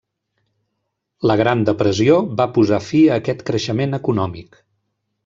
La Gran Depressió va posar fi a aquest creixement econòmic.